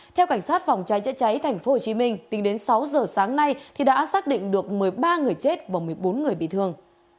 theo cảnh sát phòng cháy chữa cháy tp hcm tính đến sáu giờ sáng nay đã xác định được một mươi ba người chết và một mươi bốn người bị thương